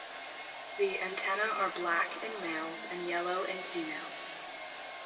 The antennae are black in males and yellow in females.